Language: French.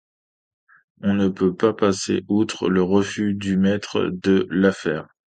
On ne peut pas passer outre le refus du maître de l’affaire.